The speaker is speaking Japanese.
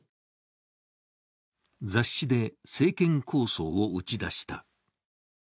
雑誌で、政権構想を打ち出した。